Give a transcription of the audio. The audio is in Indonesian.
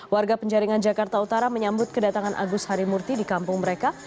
warga penjaringan jakarta utara menyambut kedatangan agus harimurti di kampung mereka